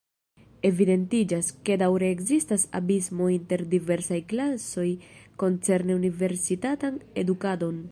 Evidentiĝas, ke daŭre ekzistas abismo inter diversaj klasoj koncerne universitatan edukadon.